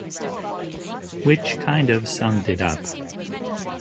Which kind of summed it up.